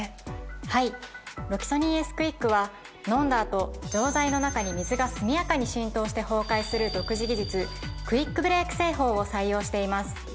はいロキソニンＳクイックは飲んだ後錠剤の中に水が速やかに浸透して崩壊する独自技術クイックブレイク製法を採用しています。